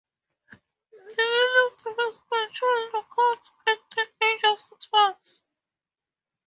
The nails of a firstborn child are cut at the age of six months.